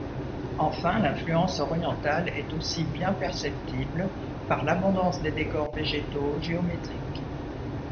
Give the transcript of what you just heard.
Enfin l'influence orientale est aussi bien perceptible, par l'abondance des décors végétaux, géométriques.